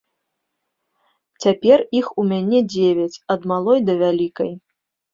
Цяпер іх у мяне дзевяць, ад малой да вялікай.